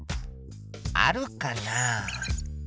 あるかな？